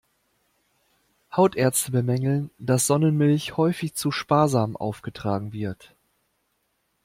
Hautärzte bemängeln, dass Sonnenmilch häufig zu sparsam aufgetragen wird.